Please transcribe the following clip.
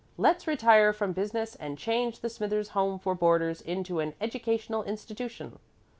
"Let's retire from business, and change the Smithers Home for Boarders into an Educational Institution."